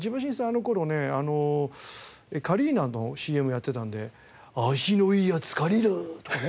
あの頃ねカリーナのＣＭやってたんで「足のいいやつカリーナ」とかね。